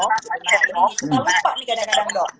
kita lupa nih kadang kadang dok